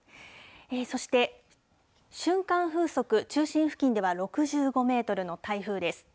そして、瞬間風速、中心付近では６５メートルの台風です。